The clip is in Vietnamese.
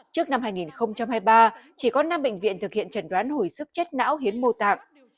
trước năm hai nghìn hai mươi ba chỉ có năm bệnh viện thực hiện trần đoán hồi sức chết não hiến mô tạng